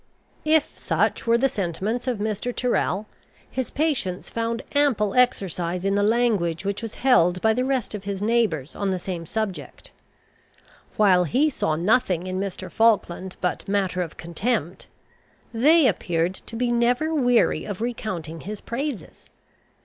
If such were the sentiments of Mr. Tyrrel, his patience found ample exercise in the language which was held by the rest of his neighbours on the same subject. While he saw nothing in Mr. Falkland but matter of contempt, they appeared to be never weary of recounting his praises.